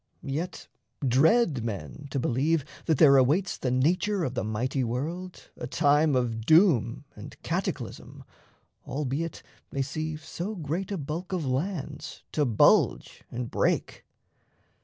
Yet dread men to believe that there awaits The nature of the mighty world a time Of doom and cataclysm, albeit they see So great a bulk of lands to bulge and break!